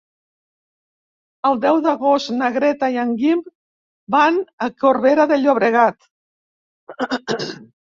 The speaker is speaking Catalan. El deu d'agost na Greta i en Guim van a Corbera de Llobregat.